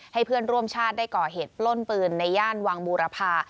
เพื่อนร่วมชาติได้ก่อเหตุปล้นปืนในย่านวังบูรพา